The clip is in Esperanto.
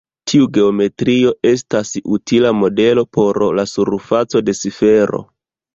Tiu geometrio estas utila modelo por la surfaco de sfero.